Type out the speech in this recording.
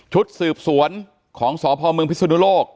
ชุดสืบศูนย์ของสพมพิษณุโลก